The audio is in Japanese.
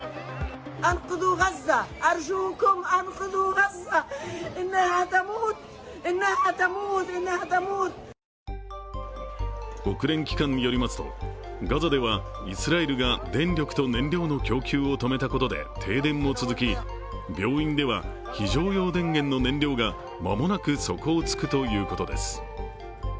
南部にいる国連機関の職員は国連機関によりますと、ガザではイスラエルが電力と燃料の供給を止めたことで停電も続き病院では、非常用電源の燃料が間もなく底を突くということです。